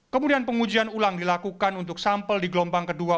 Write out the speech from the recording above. kemudian pengujian ulang dilakukan untuk sampel di gelombang kedua